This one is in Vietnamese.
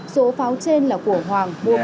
số pháo trên là của hoàng